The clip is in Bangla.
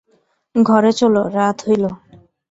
ঘরে চলো, রাত হইল।